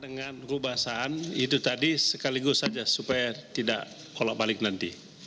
dengan rubah saan itu tadi sekaligus saja supaya tidak kolok balik nanti